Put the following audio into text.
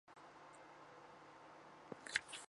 黑鼠多见于家舍以及田野。